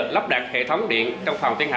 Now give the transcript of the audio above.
lắp đặt hệ thống điện trong phòng tiên học